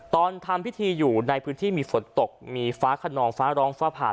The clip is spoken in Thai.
ตอนทำพิธีอยู่ในพื้นที่มีฝนตกมีฟ้าขนองฟ้าร้องฟ้าผ่า